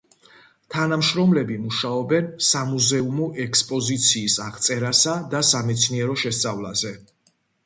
თანამშრომლები მუშაობენ სამუზეუმო ექსპოზიციის აღწერასა და სამეცნიერო შესწავლაზე.